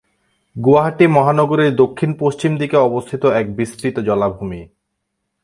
গুয়াহাটি মহানগরীর দক্ষিণ পশ্চিম দিকে অবস্থিত এক বিস্তৃত জলাভূমি।